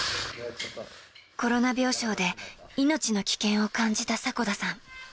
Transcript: コロナ病床で命の危険を感じた迫田さん。